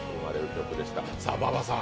馬場さん